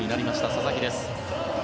佐々木です。